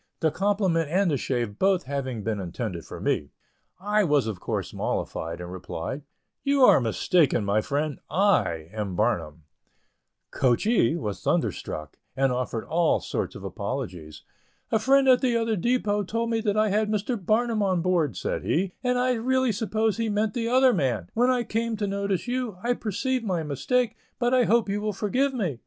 The compliment and the shave both having been intended for me, I was of course mollified, and replied, "You are mistaken, my friend, I am Barnum." "Coachee" was thunderstruck, and offered all sorts of apologies. "A friend at the other depot told me that I had Mr. Barnum on board," said he, "and I really supposed he meant the other man. When I come to notice you, I perceive my mistake, but I hope you will forgive me.